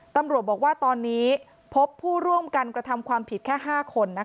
ตำรวจบอกว่าตอนนี้พบผู้ร่วมกันกระทำความผิดแค่๕คน